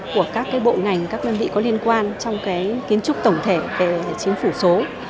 của các bộ ngành các đơn vị có liên quan trong kiến trúc tổng thể về chính phủ số